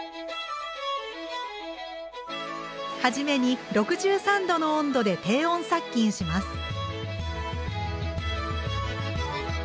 初めに６３度の温度で低温殺菌します。